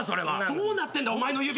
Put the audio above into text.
どうなってんだお前の指。